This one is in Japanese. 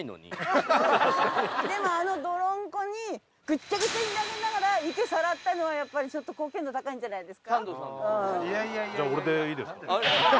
ぐっちゃぐちゃになりながら池さらったのはやっぱりちょっと貢献度高いんじゃないですか？